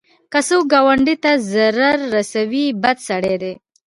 که څوک ګاونډي ته ضرر ورسوي، بد سړی دی